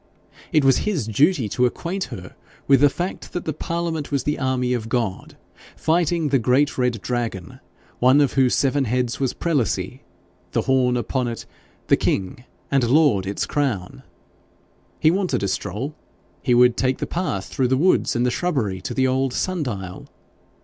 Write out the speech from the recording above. It was his duty to acquaint her with the fact that the parliament was the army of God, fighting the great red dragon, one of whose seven heads was prelacy, the horn upon it the king, and Laud its crown. He wanted a stroll he would take the path through the woods and the shrubbery to the old sun dial.